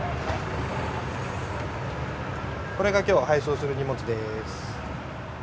これがきょう、配送する荷物です。